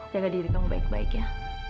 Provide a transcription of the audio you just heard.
jaga diri kamu baik baik ya